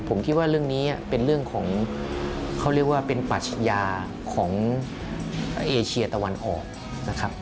ผมคิดว่าเรื่องนี้เป็นเรื่องของเขาเรียกว่าเป็นปัชญาของเอเชียตะวันออกนะครับ